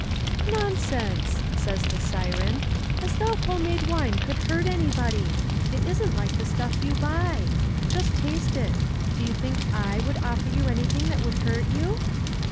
" Nonsense I " says the siren, " as though home made wine could hurt anybody! It isn't like the stuff you buy. Just taste it. Do you think / would offer you anything that would hurt you